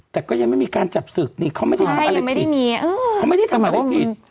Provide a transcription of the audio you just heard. แต่ก็ยังไม่มีการจับศึกไม่ได้ทำอะไรผิด